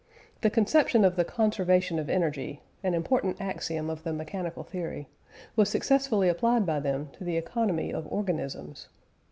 The conception of the conservation of energy (an important axiom of the mechanical theory) was successfully applied by them to the economy of organisms.